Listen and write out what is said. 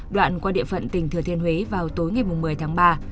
đoạn qua địa phận tỉnh thừa thiên huế vào tối ngày một mươi tháng ba